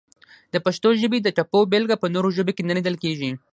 د پښتو ژبې د ټپو بېلګه په نورو ژبو کې نه لیدل کیږي!